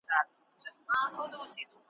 لکه په دښت کي غوړېدلی ګلاب `